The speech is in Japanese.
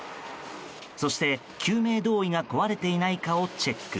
そして救命胴衣が壊れてないかをチェック。